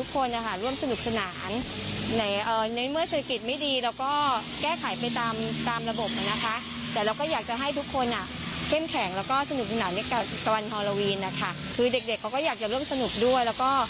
คุณชมผู้ก็เลยสัดเก้าใส้เตี๋ยวสักหน่อยเลย